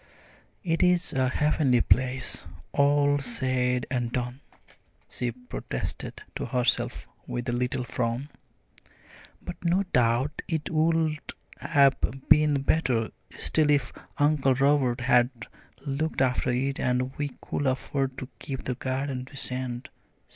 "It is a heavenly place, all said and done," she protested to herself with a little frown. "But no doubt it would have been better still if Uncle Robert had looked after it and we could afford to keep the garden decent.